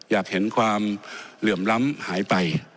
อยากเห็นความเหลื่อมล้ำหายไป